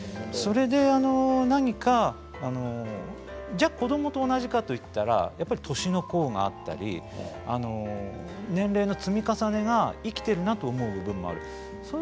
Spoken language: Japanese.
それで何か、じゃあ子どもと同じかと言ったらやっぱり年の功があったり年齢の積み重ねが生きているなと思う部分もありますね。